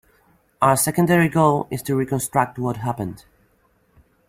Our secondary goal is to reconstruct what happened.